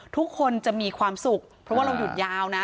ทุกคนจะมีความสุขเพราะว่าเราหยุดยาวนะ